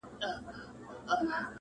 شاوخوا یې بیا پر قبر ماجر جوړ کئ،